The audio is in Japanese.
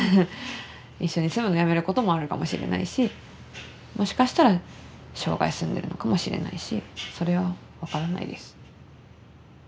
一緒に住むのやめることもあるかもしれないしもしかしたら生涯住んでるのかもしれないしそれは分からないです。